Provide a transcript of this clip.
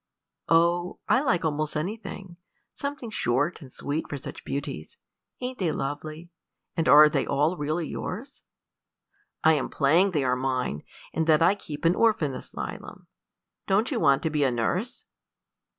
"Oh, I like almost anything something short and sweet for such beauties. Ain't they lovely? and are they all really yours?" "I'm playing they are mine, and that I keep an orphan asylum. Don't you want to be a nurse?"